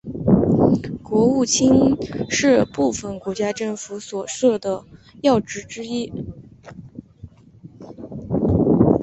国务卿是部份国家政府所设的要职之一。